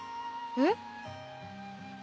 えっ？